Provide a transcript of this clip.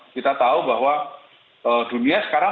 kita tahu bahwa dunia sekarang